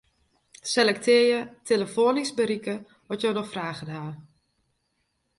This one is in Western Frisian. Selektearje 'telefoanysk berikke as jo noch fragen hawwe'.